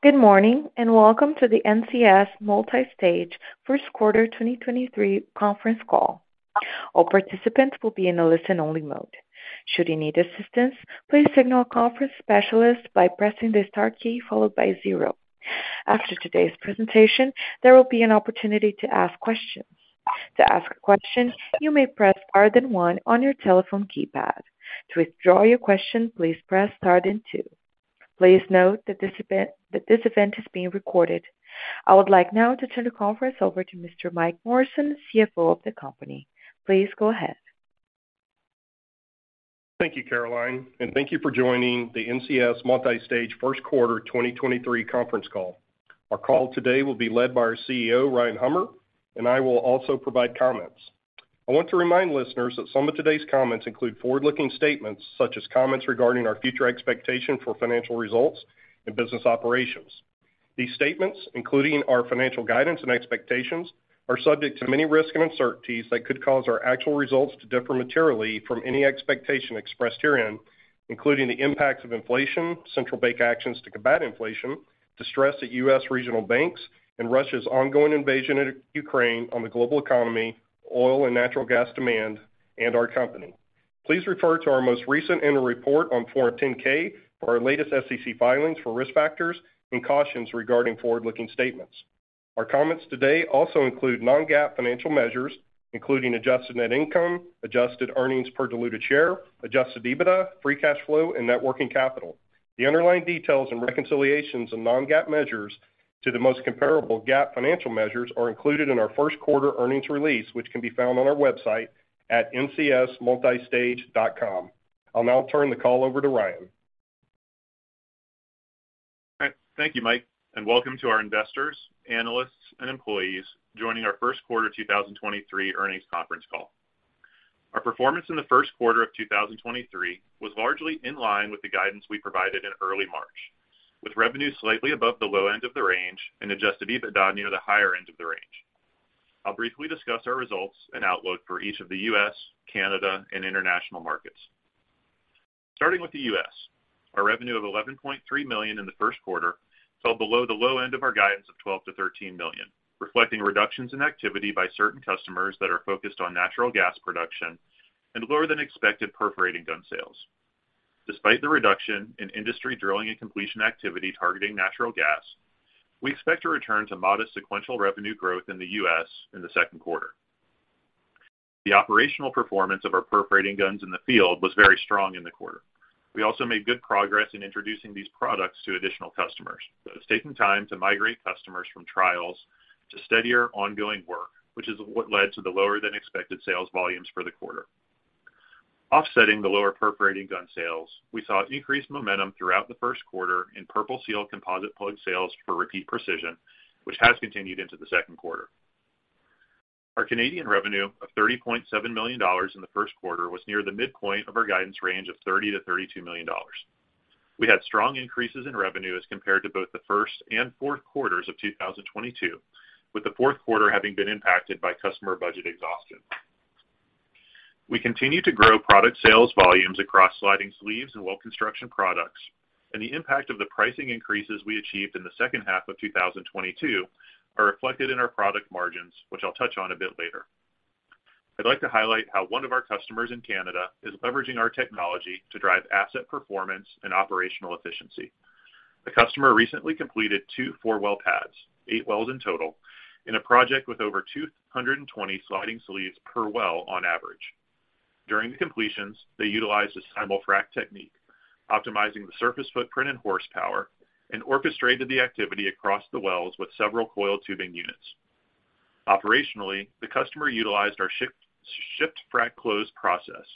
Good morning, welcome to the NCS Multistage first 1/4 2023 conference call. All participants will be in a listen-only mode. Should you need assistance, please signal a conference specialist by pressing the star key followed by 0. After today's presentation, there will be an opportunity to ask questions. To ask a question, you may press star then 1 on your telephone keypad. To withdraw your question, please press star then 2. Please note that this event is being recorded. I would like now to turn the conference over to Mr. Mike Morrison, CFO of the company. Please go ahead. Thank you, Caroline, thank you for joining the NCS Multistage first 1/4 2023 conference call. Our call today will be led by our CEO, Ryan Hummer, and I will also provide comments. I want to remind listeners that some of today's comments include forward-looking statements such as comments regarding our future expectation for financial results and business operations. These statements, including our financial guidance and expectations, are subject to many risks and uncertainties that could cause our actual results to differ materially from any expectation expressed herein, including the impacts of inflation, central bank actions to combat inflation, distress at U.S. regional banks, and Russia's ongoing invasion of Ukraine on the global economy, oil and natural gas demand, and our company. Please refer to our most recent annual report on Form 10-K for our latest SEC filings for risk factors and cautions regarding forward-looking statements. Our comments today also include non-GAAP financial measures, including adjusted net income, adjusted earnings per diluted share, adjusted EBITDA, free cash flow, and net working capital. The underlying details and reconciliations of non-GAAP measures to the most comparable GAAP financial measures are included in our first 1/4 earnings release, which can be found on our website at ncsmultistage.com. I'll now turn the call over to Ryan. Thank you, Mike, welcome to our investors, analysts, and employees joining our first 1/4 2023 earnings conference call. Our performance in the first 1/4 of 2023 was largely in line with the guidance we provided in early March, with revenue slightly above the low end of the range and adjusted EBITDA near the higher end of the range. I'll briefly discuss our results and outlook for each of the U.S., Canada, and international markets. Starting with the U.S., our revenue of $11.3 million in the first 1/4 fell below the low end of our guidance of $12 million-$13 million, reflecting reductions in activity by certain customers that are focused on natural gas production and lower than expected perforating gun sales. Despite the reduction in industry drilling and completion activity targeting natural gas, we expect to return to modest sequential revenue growth in the US in the second 1/4. The operational performance of our perforating guns in the field was very strong in the 1/4. We also made good progress in introducing these products to additional customers, but it's taking time to migrate customers from trials to steadier ongoing work, which is what led to the lower than expected sales volumes for the 1/4. Offsetting the lower perforating gun sales, we saw increased momentum throughout the first 1/4 in PurpleSeal composite plug sales for Repeat Precision, which has continued into the second 1/4. Our Canadian revenue of $30.7 million in the first 1/4 was near the midpoint of our guidance range of $30 million-$32 million. We had strong increases in revenue as compared to both the first and fourth 1/4s of 2022, with the fourth 1/4 having been impacted by customer budget exhaustion. We continue to grow product sales volumes across sliding sleeves and well construction products, and the impact of the pricing increases we achieved in the second 1/2 of 2022 are reflected in our product margins, which I'll touch on a bit later. I'd like to highlight how 1 of our customers in Canada is leveraging our technology to drive asset performance and operational efficiency. The customer recently completed 2 four-well pads, eight wells in total, in a project with over 220 sliding sleeves per well on average. During the completions, they utilized a simul-frac technique, optimizing the surface footprint and horsepower, and orchestrated the activity across the wells with several coiled tubing units. Operationally, the customer utilized our Shift-Frac-Close process,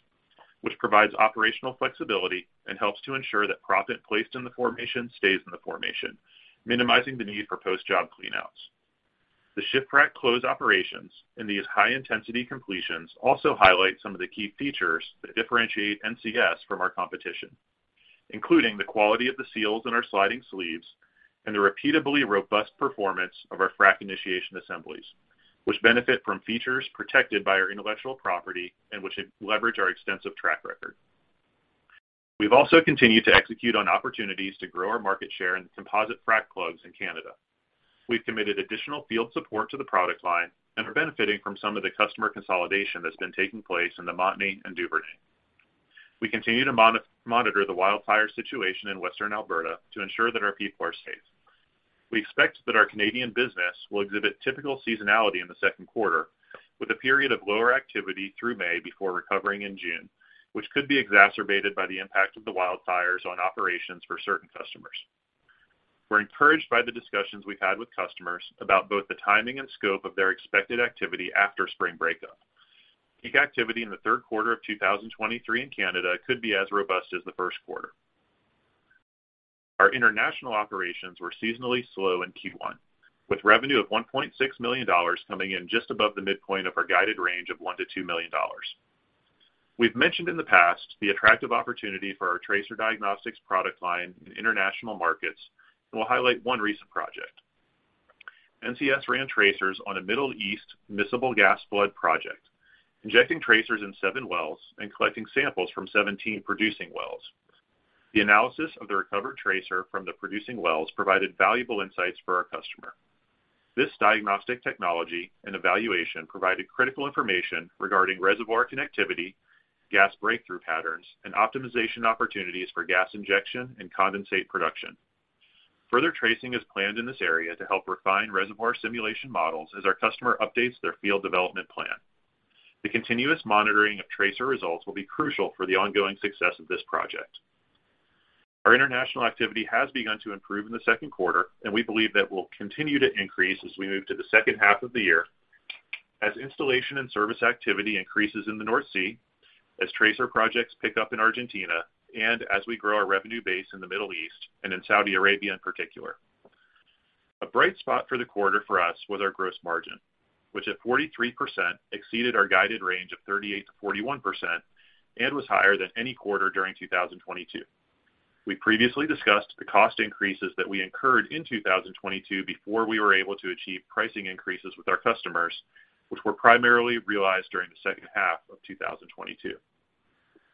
which provides operational flexibility and helps to ensure that proppant placed in the formation stays in the formation, minimizing the need for post-job cleanouts. The Shift-Frac-Close operations in these high-intensity completions also highlight some of the key features that differentiate NCS from our competition, including the quality of the seals in our sliding sleeves and the repeatably robust performance of our frac initiation assemblies, which benefit from features protected by our intellectual property and which leverage our extensive track record. We've also continued to execute on opportunities to grow our market share in composite frac plugs in Canada. We've committed additional field support to the product line and are benefiting from some of the customer consolidation that's been taking place in the Montney and Duvernay. We continue to monitor the wildfire situation in Western Alberta to ensure that our people are safe. We expect that our Canadian business will exhibit typical seasonality in the second 1/4, with a period of lower activity through May before recovering in June, which could be exacerbated by the impact of the wildfires on operations for certain customers. We're encouraged by the discussions we've had with customers about both the timing and scope of their expected activity after spring breakup. Peak activity in the third 1/4 of 2023 in Canada could be as robust as the first 1/4. Our international operations were seasonally slow in Q1, with revenue of $1.6 million coming in just above the midpoint of our guided range of $1 million-$2 million. We've mentioned in the past the attractive opportunity for our tracer diagnostics product line in international markets. We'll highlight 2 recent project. NCS ran tracers on a Middle East miscible gas flood project, injecting tracers in seven wells and collecting samples from 17 producing wells. The analysis of the recovered tracer from the producing wells provided valuable insights for our customer. This diagnostic technology and evaluation provided critical information regarding reservoir connectivity, gas breakthrough patterns, and optimization opportunities for gas injection and condensate production. Further tracing is planned in this area to help refine reservoir simulation models as our customer updates their field development plan. The continuous monitoring of tracer results will be crucial for the ongoing success of this project. Our international activity has begun to improve in the second 1/4. We believe that will continue to increase as we move to the second 1/2 of the year as installation and service activity increases in the North Sea, as tracer projects pick up in Argentina, and as we grow our revenue base in the Middle East and in Saudi Arabia in particular. A bright spot for the 1/4 for us was our gross margin, which at 43% exceeded our guided range of 38%-41% and was higher than any 1/4 during 2022. We previously discussed the cost increases that we incurred in 2022 before we were able to achieve pricing increases with our customers, which were primarily realized during the second 1/2 of 2022.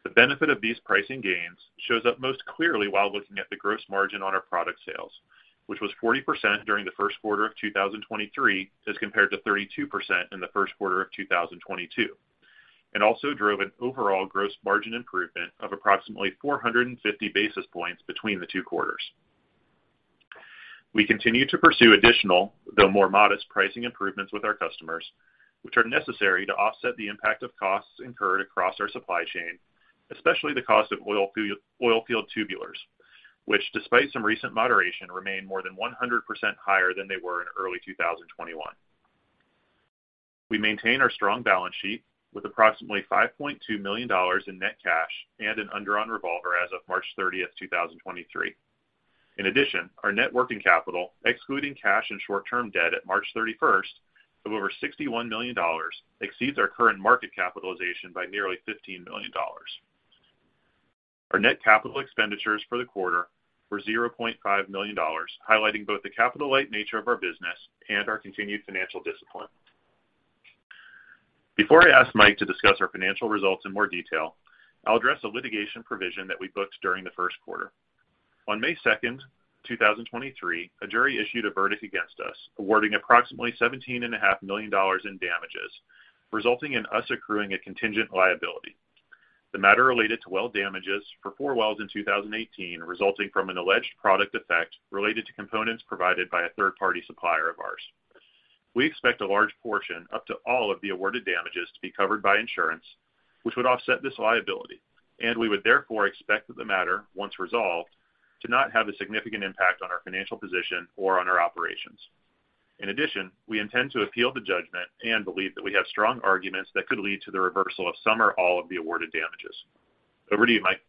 The benefit of these pricing gains shows up most clearly while looking at the gross margin on our product sales, which was 40% during the first 1/4 of 2023 as compared to 32% in the first 1/4 of 2022, and also drove an overall gross margin improvement of approximately 450 basis points between the 2 1/4s. We continue to pursue additional, though more modest, pricing improvements with our customers, which are necessary to offset the impact of costs incurred across our supply chain, especially the cost of oilfield tubulars, which despite some recent moderation, remain more than 100% higher than they were in early 2021. We maintain our strong balance sheet with approximately $5.2 million in net cash and an undrawn revolver as of March 30th, 2023. Our net working capital, excluding cash and short-term debt at March 31st of over $61 million, exceeds our current market capitalization by nearly $15 million. Our net capital expenditures for the 1/4 were $0.5 million, highlighting both the capital light nature of our business and our continued financial discipline. Before I ask Mike to discuss our financial results in more detail, I'll address a litigation provision that we booked during the first 1/4. On May 2nd, 2023, a jury issued a verdict against us, awarding approximately $17.5 million in damages, resulting in us accruing a contingent liability. The matter related to well damages for four wells in 2018, resulting from an alleged product defect related to components provided by a third-party supplier of ours. We expect a large portion, up to all of the awarded damages, to be covered by insurance, which would offset this liability. We would therefore expect that the matter, once resolved, to not have a significant impact on our financial position or on our operations. In addition, we intend to appeal the judgment and believe that we have strong arguments that could lead to the reversal of some or all of the awarded damages. Over to you, Mike.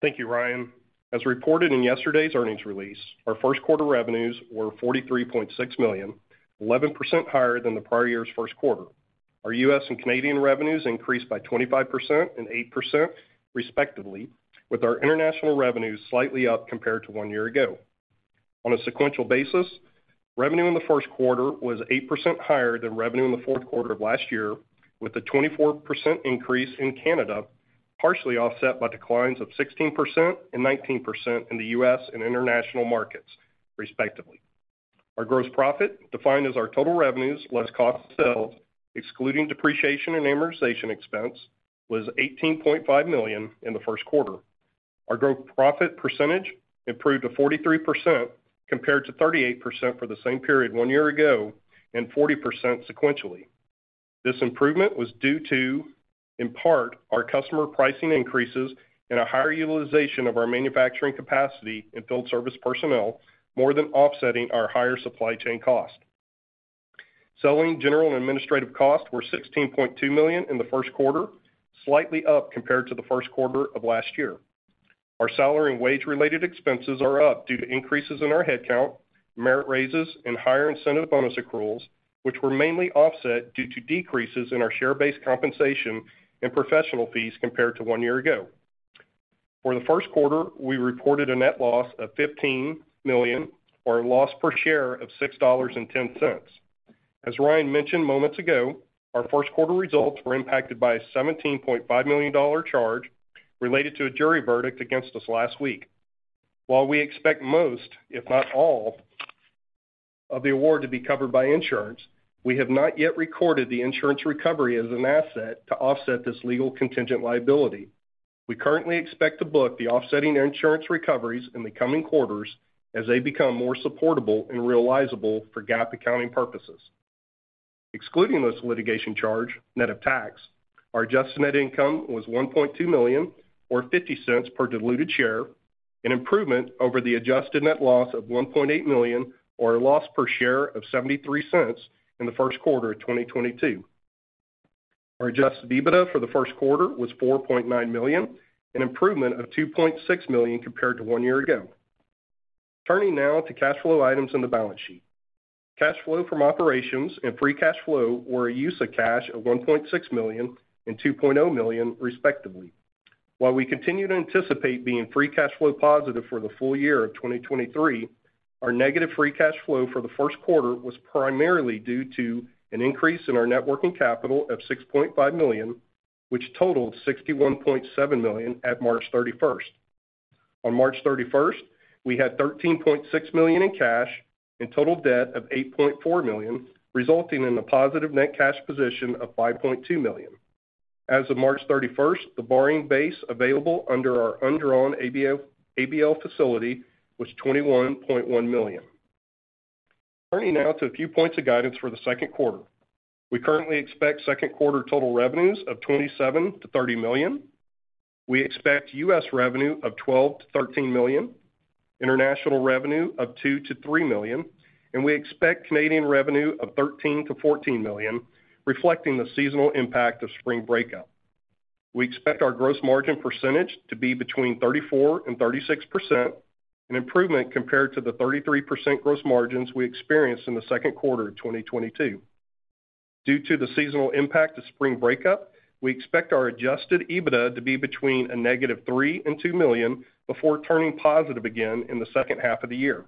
Thank you, Ryan. As reported in yesterday's earnings release, our first 1/4 revenues were $43.6 million, 11% higher than the prior year's first 1/4. Our U.S. and Canadian revenues increased by 25% and 8%, respectively, with our international revenues slightly up compared to 1 year ago. A sequential basis, revenue in the first 1/4 was 8% higher than revenue in the fourth 1/4 of last year, with a 24% increase in Canada, partially offset by declines of 16% and 19% in the U.S. and international markets, respectively. Our gross profit, defined as our total revenues less cost of sales, excluding depreciation and amortization expense, was $18.5 million in the first 1/4. Our gross profit percentage improved to 43% compared to 38% for the same period 1 year ago and 40% sequentially. This improvement was due to, in part, our customer pricing increases and a higher utilization of our manufacturing capacity and field service personnel, more than offsetting our higher supply chain cost. Selling, general, and administrative costs were $16.2 million in the first 1/4, slightly up compared to the first 1/4 of last year. Our salary and wage-related expenses are up due to increases in our headcount, merit raises, and higher incentive bonus accruals, which were mainly offset due to decreases in our share-based compensation and professional fees compared to 1 year ago. For the first 1/4, we reported a net loss of $15 million or a loss per share of $6.10. As Ryan mentioned moments ago, our first 1/4 results were impacted by a $17.5 million charge related to a jury verdict against us last week. While we expect most, if not all, of the award to be covered by insurance, we have not yet recorded the insurance recovery as an asset to offset this legal contingent liability. We currently expect to book the offsetting insurance recoveries in the coming 1/4s as they become more supportable and realizable for GAAP accounting purposes. Excluding this litigation charge, net of tax, our adjusted net income was $1.2 million or $0.50 per diluted share, an improvement over the adjusted net loss of $1.8 million or a loss per share of $0.73 in the first 1/4 of 2022. Our adjusted EBITDA for the first 1/4 was $4.9 million, an improvement of $2.6 million compared to 1 year ago. Turning now to cash flow items in the balance sheet. Cash flow from operations and free cash flow were a use of cash of $1.6 million and $2.0 million respectively. While we continue to anticipate being free cash flow positive for the full year of 2023, our negative free cash flow for the first 1/4 was primarily due to an increase in our net working capital of $6.5 million, which totaled $61.7 million at March 31st. On March 31st, we had $13.6 million in cash and total debt of $8.4 million, resulting in a positive net cash position of $5.2 million. As of March 31st, the borrowing base available under our undrawn ABL facility was $21.1 million. Turning now to a few points of guidance for the second 1/4. We currently expect second 1/4 total revenues of $27 million-$30 million. We expect US revenue of $12 million-$13 million, international revenue of $2 million-$3 million, and we expect Canadian revenue of $13 million-$14 million, reflecting the seasonal impact of spring breakup. We expect our gross margin percentage to be between 34% and 36%, an improvement compared to the 33% gross margins we experienced in the second 1/4 of 2022. Due to the seasonal impact of spring breakup, we expect our adjusted EBITDA to be between a negative $3 million and $2 million before turning positive again in the second 1/2 of the year.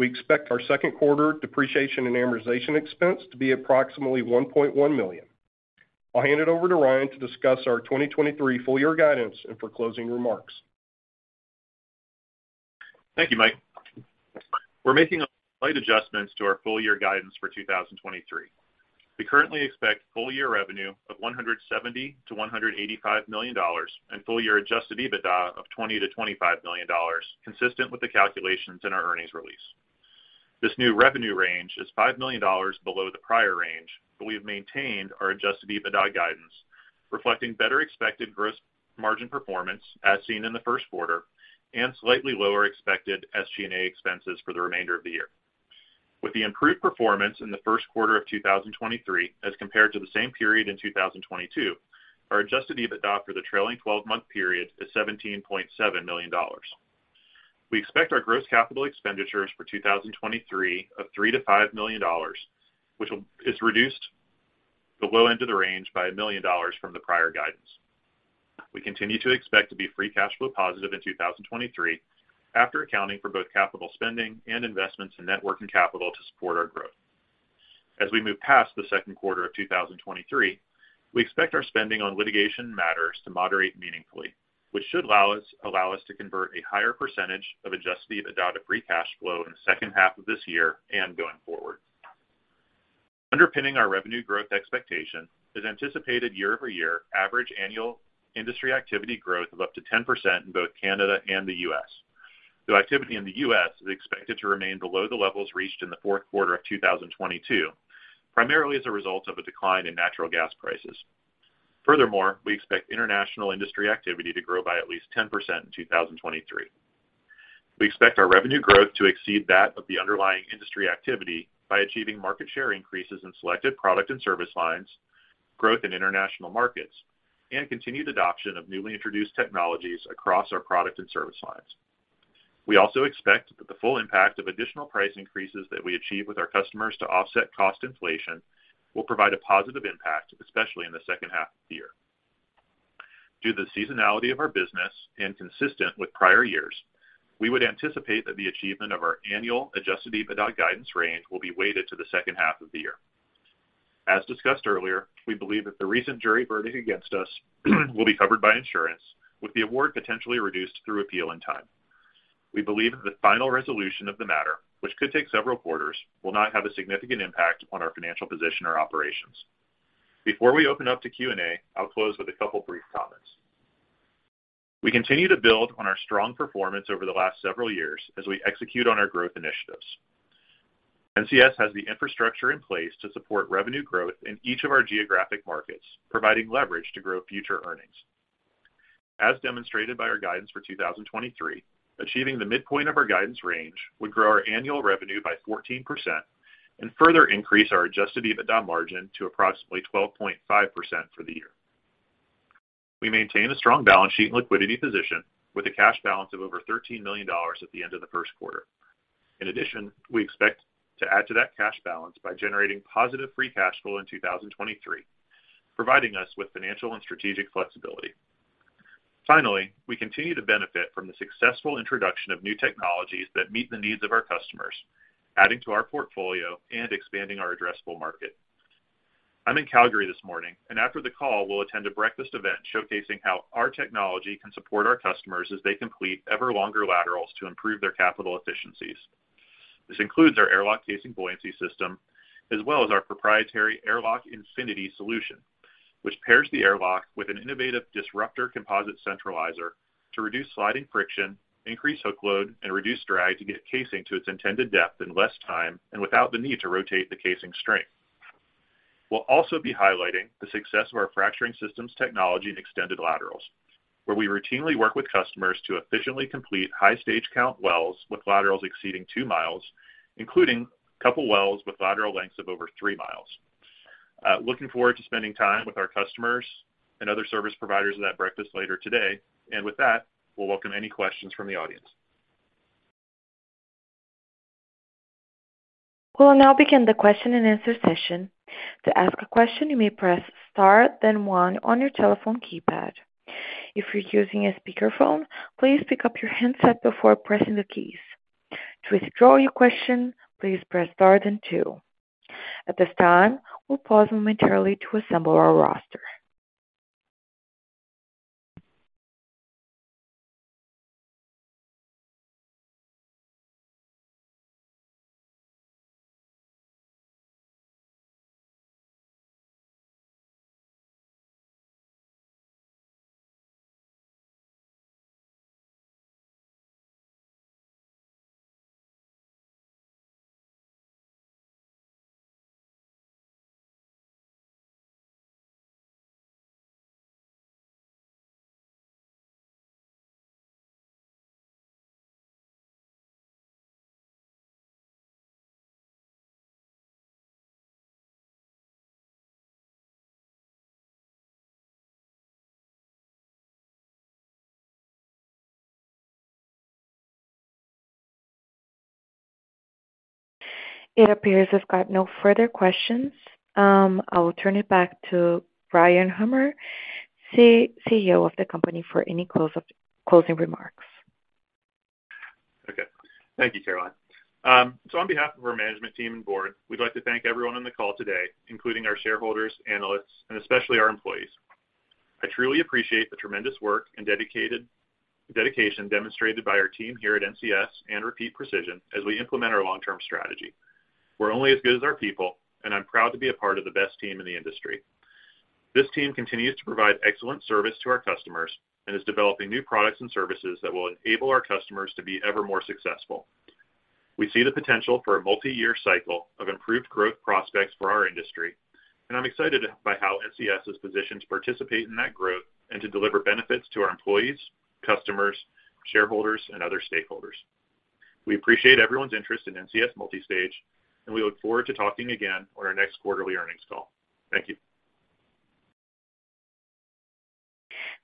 We expect our second 1/4 depreciation and amortization expense to be approximately $1.1 million. I'll hand it over to Ryan to discuss our 2023 full year guidance and for closing remarks. Thank you, Mike. We're making slight adjustments to our full year guidance for 2023. We currently expect full year revenue of $170 million-$185 million and full year adjusted EBITDA of $20 million-$25 million, consistent with the calculations in our earnings release. This new revenue range is $5 million below the prior range. We have maintained our adjusted EBITDA guidance, reflecting better expected gross margin performance as seen in the first 1/4 and slightly lower expected SG&A expenses for the remainder of the year. With the improved performance in the first 1/4 of 2023 as compared to the same period in 2022, our adjusted EBITDA for the trailing twelve-month period is $17.7 million. We expect our gross capital expenditures for 2023 of $3 million-$5 million, which is reduced the low end of the range by $1 million from the prior guidance. We continue to expect to be free cash flow positive in 2023 after accounting for both capital spending and investments in net working capital to support our growth. As we move past the second 1/4 of 2023, we expect our spending on litigation matters to moderate meaningfully, which should allow us to convert a higher % of adjusted EBITDA to free cash flow in the second 1/2 of this year and going forward. Underpinning our revenue growth expectation is anticipated year-over-year average annual industry activity growth of up to 10% in both Canada and the US, though activity in the US is expected to remain below the levels reached in the fourth 1/4 of 2022, primarily as a result of a decline in natural gas prices. We expect international industry activity to grow by at least 10% in 2023. We expect our revenue growth to exceed that of the underlying industry activity by achieving market share increases in selected product and service lines, growth in international markets, and continued adoption of newly introduced technologies across our product and service lines. We also expect that the full impact of additional price increases that we achieve with our customers to offset cost inflation will provide a positive impact, especially in the second 1/2 of the year. Due to the seasonality of our business and consistent with prior years, we would anticipate that the achievement of our annual adjusted EBITDA guidance range will be weighted to the second 1/2 of the year. As discussed earlier, we believe that the recent jury verdict against us will be covered by insurance, with the award potentially reduced through appeal in time. We believe that the final resolution of the matter, which could take several 1/4s, will not have a significant impact upon our financial position or operations. Before we open up to Q&A, I'll close with a couple brief comments. We continue to build on our strong performance over the last several years as we execute on our growth initiatives. NCS has the infrastructure in place to support revenue growth in each of our geographic markets, providing leverage to grow future earnings. As demonstrated by our guidance for 2023, achieving the midpoint of our guidance range would grow our annual revenue by 14% and further increase our adjusted EBITDA margin to approximately 12.5% for the year. We maintain a strong balance sheet and liquidity position with a cash balance of over $13 million at the end of the first 1/4. In addition, we expect to add to that cash balance by generating positive free cash flow in 2023, providing us with financial and strategic flexibility. Finally, we continue to benefit from the successful introduction of new technologies that meet the needs of our customers, adding to our portfolio and expanding our addressable market. I'm in Calgary this morning and after the call, we'll attend a breakfast event showcasing how our technology can support our customers as they complete ever longer laterals to improve their capital efficiencies. This includes our Airlock Casing Buoyancy System, as well as our proprietary Airlock Infinity solution, which pairs the Airlock with an innovative Disruptor composite centralizer to reduce sliding friction, increase hook load, and reduce drag to get casing to its intended depth in less time and without the need to rotate the casing string. We'll also be highlighting the success of our fracturing systems technology in extended laterals, where we routinely work with customers to efficiently complete high stage count wells with laterals exceeding 2 miles, including a couple wells with lateral lengths of over 3 miles. Looking forward to spending time with our customers and other service providers at that breakfast later today. With that, we'll welcome any questions from the audience. We'll now begin the question-and-answer session. To ask a question, you may press star then 1 on your telephone keypad. If you're using a speakerphone, please pick up your handset before pressing the keys. To withdraw your question, please press star then 2. At this time, we'll pause momentarily to assemble our roster. It appears we've got no further questions. I will turn it back to Ryan Hummer, CEO of the company, for any closing remarks. Okay. Thank you, Caroline. On be1/2 of our management team and board, we'd like to thank everyone on the call today, including our shareholders, analysts, and especially our employees. I truly appreciate the tremendous work and dedication demonstrated by our team here at NCS and Repeat Precision as we implement our long-term strategy. We're only as good as our people, and I'm proud to be a part of the best team in the industry. This team continues to provide excellent service to our customers and is developing new products and services that will enable our customers to be ever more successful. We see the potential for a multi-year cycle of improved growth prospects for our industry, and I'm excited by how NCS is positioned to participate in that growth and to deliver benefits to our employees, customers, shareholders, and other stakeholders. We appreciate everyone's interest in NCS Multistage. We look forward to talking again on our next 1/4ly earnings call. Thank you.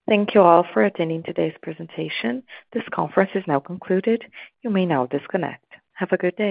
Thank you all for attending today's presentation. This conference is now concluded. You may now disconnect. Have a good day.